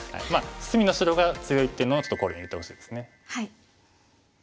隅の白が強いっていうのをちょっと考慮に入れてほしいです。